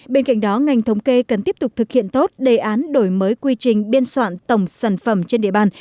bên cạnh đó ngành thống kê cần tiếp tục thực hiện tốt đề án đổi mới quy trình biên soạn tổng sản phẩm trên địa bàn